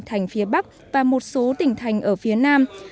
thành phía bắc và một số tỉnh thành ở phía nam